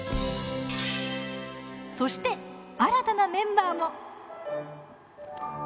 そして、新たなメンバーも！